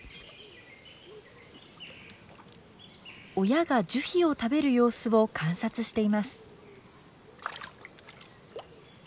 親が樹皮を食べる様子を観察しています。